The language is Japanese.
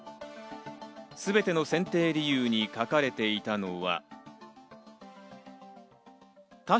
すべての選定理由に書かれていたのは。